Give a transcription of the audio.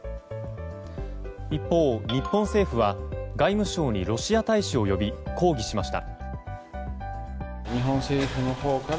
一方、日本政府は外務省にロシア大使を呼び抗議しました。